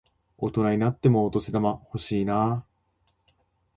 大人になってもお年玉欲しいなぁ。